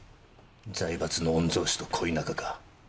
財閥の御曹司と恋仲か。